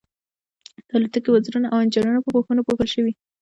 د الوتکې وزرونه او انجنونه په پوښونو پوښل کیږي